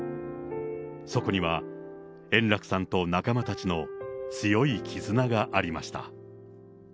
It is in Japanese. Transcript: そこには、円楽さんと仲間たちの強い絆がありました。